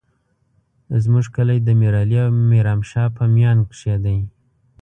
ای ميژ کله دې ميرعلي او میرومشا په میون شې ده